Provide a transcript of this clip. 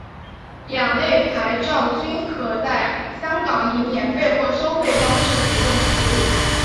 两类牌照均可在香港以免费或收费方式提供服务。